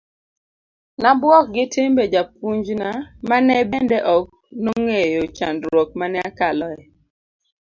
nabuok gi timbe jopunjna mane bende ok nong'eyo chandruok mane akaloe